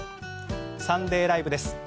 「サンデーＬＩＶＥ！！」です。